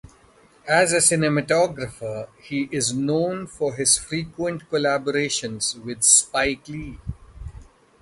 As a cinematographer, he is known for his frequent collaborations with Spike Lee.